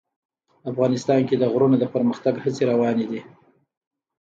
افغانستان کې د غرونه د پرمختګ هڅې روانې دي.